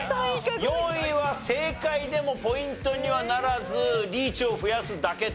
４位は正解でもポイントにはならずリーチを増やすだけと。